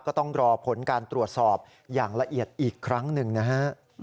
ก็ต้องรอผลการตรวจสอบอย่างละเอียดอีกครั้งหนึ่งนะฮะ